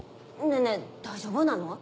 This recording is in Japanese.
ねぇねぇ大丈夫なの？